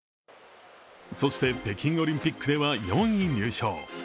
そして、北京オリンピックでは４位入賞。